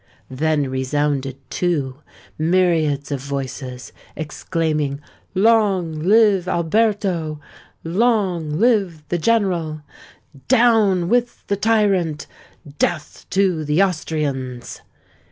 Then resounded, too, myriads of voices, exclaiming, "Long live Alberto"—"Long live the General!"—"Down with the Tyrant!"—"Death to the Austrians!"